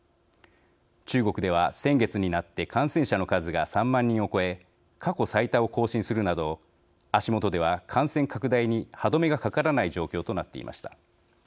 中国では、先月になって感染者の数が３万人を超え過去最多を更新するなど足元では感染拡大に歯止めがかからない状況となっていました。